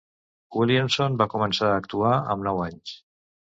Williamson va començar a actuar amb nou anys.